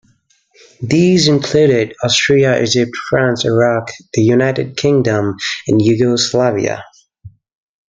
These included Austria, Egypt, France, Iraq, the United Kingdom and Yugoslavia.